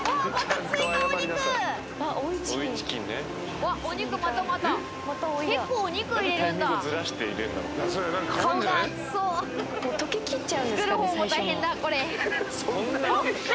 作るほうも大変だこれ。何？